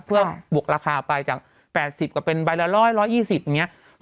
เพื่อบวกราคาไปจาก๘๐ก็เป็นใบละ๑๒๐อย่างนี้